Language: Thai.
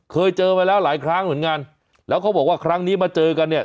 เคยเจอมาแล้วหลายครั้งเหมือนกันแล้วเขาบอกว่าครั้งนี้มาเจอกันเนี่ย